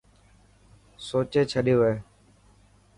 سوچي ڇڏيو هي.